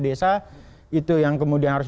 desa itu yang kemudian harus